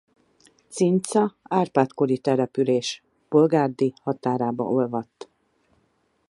Cinca Árpád-kori település Polgárdi határába olvadt.